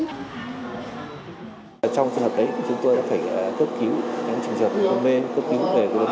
trong trường hợp đấy chúng tôi đã phải cấp cứu